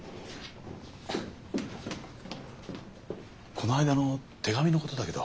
この間の手紙のことだけど。